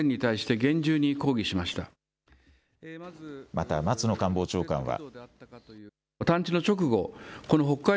また松野官房長官は。